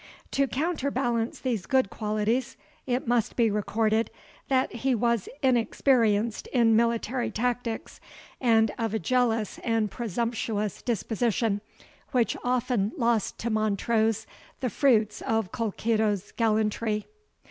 To counterbalance these good qualities, it must be recorded, that he was inexperienced in military tactics, and of a jealous and presumptuous disposition, which often lost to Montrose the fruits of Colkitto's gallantry.